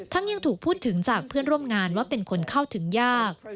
ยังถูกพูดถึงจากเพื่อนร่วมงานว่าเป็นคนเข้าถึงยาก